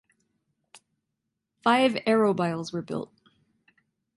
Five Arrowbiles were built.